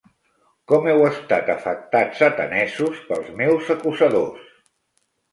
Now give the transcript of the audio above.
Com heu estat afectats, atenesos, pels meus acusadors?